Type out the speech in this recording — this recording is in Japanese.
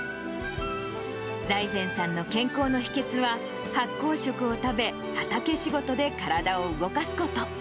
財前さんの健康の秘けつは、発酵食を食べ、畑仕事で体を動かすこと。